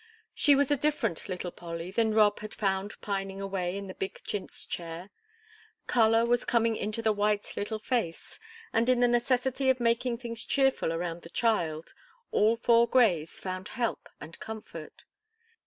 She was a different little Polly than Rob had found pining away in the big chintz chair; color was coming into the white little face, and in the necessity of making things cheerful around the child, all four Greys found help and comfort.